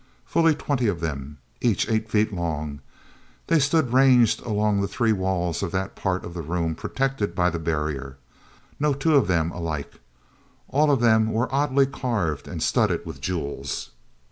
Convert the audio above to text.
Fully twenty of them, each eight feet long, they stood ranged along the three walls of that part of the room protected by the barrier. No two of them alike; all of them were oddly carved and studded with jewels.